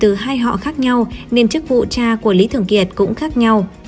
từ hai họ khác nhau nên chức vụ cha của lý thường kiệt cũng khác nhau